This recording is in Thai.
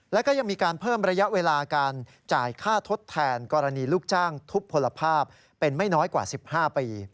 แล้วก็ยังมีการเพิ่มระยะเวลาการจ่ายค่าทดแทนกรณีลูกจ้างทุบพลภาพเป็นไม่น้อยกว่า๑๕ปี